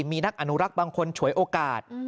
มีนักอนุรักษ์บางคนฉวยโอกาส